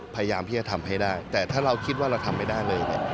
พยายามที่จะทำให้ได้แต่ถ้าเราคิดว่าเราทำไม่ได้เลยเนี่ย